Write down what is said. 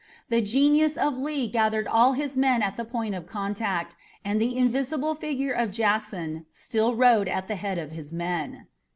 The genius of Lee gathered all his men at the point of contact and the invisible figure of Jackson still rode at the head of his men.